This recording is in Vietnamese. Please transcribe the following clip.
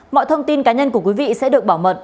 mọi thông tin cá nhân của quý vị sẽ được bảo mật